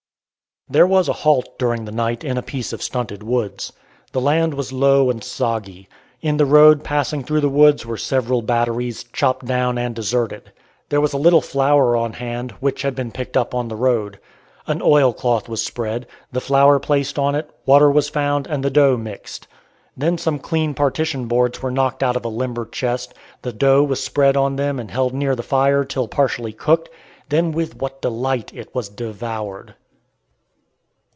There was a halt during the night in a piece of stunted woods. The land was low and soggy. In the road passing through the woods were several batteries, chopped down and deserted. There was a little flour on hand, which had been picked up on the road. An oil cloth was spread, the flour placed on it, water was found, and the dough mixed. Then some clean partition boards were knocked out of a limber chest, the dough was spread on them and held near the fire till partially cooked. Then with what delight it was devoured!